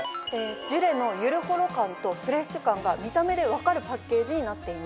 ジュレのゆるほろ感とフレッシュ感が見た目で分かるパッケージになっています。